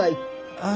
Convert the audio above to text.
ああ。